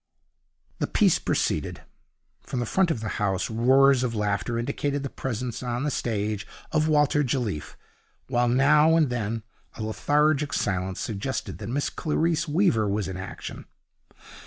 The piece proceeded. From the front of the house roars of laughter indicated the presence on the stage of Walter Jelliffe, while now and then a lethargic silence suggested that Miss Clarice Weaver was in action.